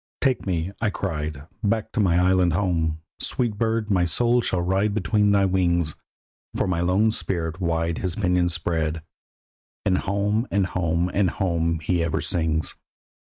Take me, I cried, back to my island home; Sweet bird, my soul shall ride between thy wings; For my lone spirit wide his pinions spread, And home and home and home he ever sings.